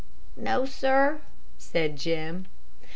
"No, sir," said Jim.